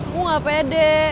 aku gak pede